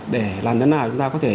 để làm thế nào chúng ta có thể